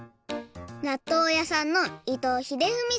なっとうやさんの伊藤英文さん。